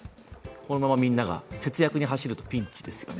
このままみんなが節約に走るとピンチですよね。